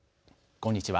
こんにちは。